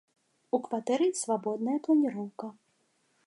У кватэры свабодная планіроўка.